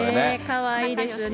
かわいいですよね。